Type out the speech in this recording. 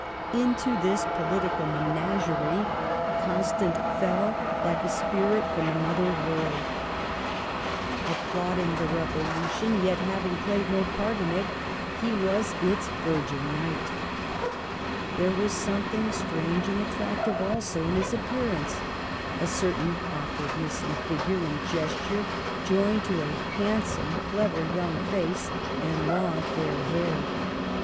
Into this political menagerie Constant fell like a spirit from another world. Applauding the Revolution, yet having Digitized by VjOOQLC THE TRANSFORMED CAPITAL. 87 played no part in it, he was its virgin knight. There was something strange and attractive also in his appearance ; a certain awkwardness in fig ure and gesture joined to a handsome, clever, young face and long, fair hair.